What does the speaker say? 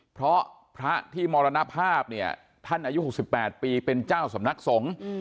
เพราะพระที่มรณภาพเนี่ยท่านอายุ๖๘ปีเป็นเจ้าสำนักสงฆ์